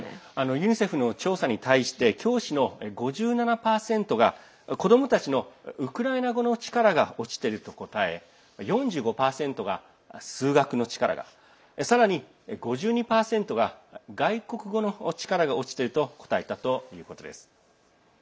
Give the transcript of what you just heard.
ユニセフの調査に対して教師の５７％が子どもたちのウクライナ語の力が落ちていると答え４５％が数学の力がさらに５２％が外国語の力が落ちていると答えたということです。